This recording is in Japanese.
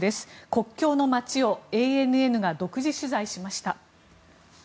国境の街をＡＮＮが独自取材しました。